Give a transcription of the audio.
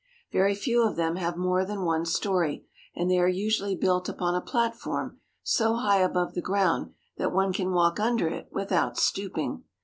Very few of them have more than one story, and they are usually built upon a platform so high above the ground that one can walk under it without stooping.